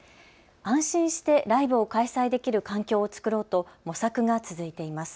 安心してライブを開催できる環境を作ろうと模索が続いています。